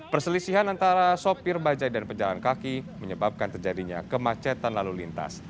perselisihan antara sopir bajai dan pejalan kaki menyebabkan terjadinya kemacetan lalu lintas